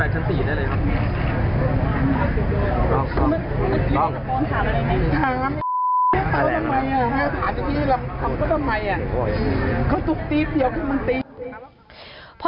ต้องถามอะไรกัน